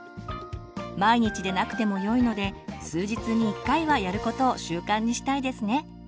毎日でなくてもよいので数日に１回はやることを習慣にしたいですね。